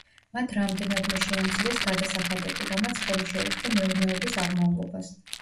მათ რამდენადმე შეამცირეს გადასახადები, რამაც ხელი შეუწყო მეურნეობის აღმავლობას.